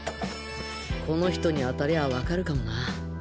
この人に当たりゃ分かるかもな。